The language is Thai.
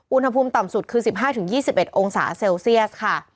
อุณหภูมิต่ำสุดคือ๑๕๒๑องศาเซลเซียสค่ะ